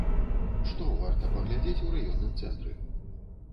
Што варта паглядзець у раённым цэнтры?